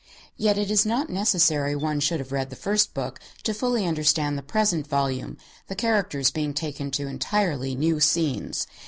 Yet it is not necessary one should have read the first book to fully understand the present volume, the characters being taken to entirely new scenes.